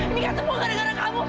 ini kan semua gara gara kamu